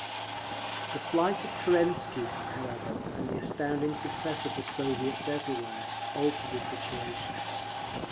The flight of Kerensky, however, and the astounding success of the Soviets everywhere, altered the situation.